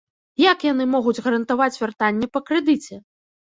Як яны могуць гарантаваць вяртанне па крэдыце?